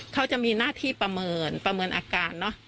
เขาจะมีหน้าที่ประเมินประเมินอาการเนอะ